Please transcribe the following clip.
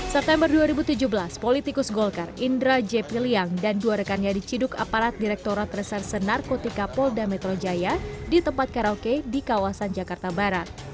september dua ribu tujuh belas politikus golkar indra j piliang dan dua rekannya diciduk aparat direkturat reserse narkotika polda metro jaya di tempat karaoke di kawasan jakarta barat